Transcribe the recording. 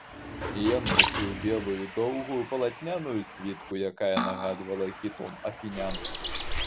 Ён насіў белую доўгую палатняную світку, якая нагадвала хітон афінян.